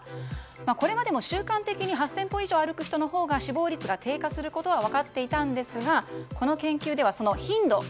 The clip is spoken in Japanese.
これまでも習慣的に８０００歩以上歩く人のほうが死亡率が低下することは分かっていたんですがこの研究ではその頻度。